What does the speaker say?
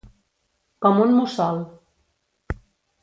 Com un mussol.